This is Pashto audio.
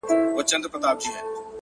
o زور د زورور پاچا، ماته پر سجده پرېووت،